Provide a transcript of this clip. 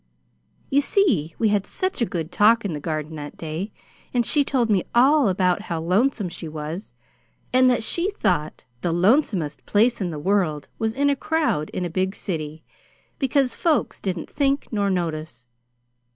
"You see, we had such a good talk in the Garden that day, and she told me all about how lonesome she was, and that she thought the lonesomest place in the world was in a crowd in a big city, because folks didn't think nor notice.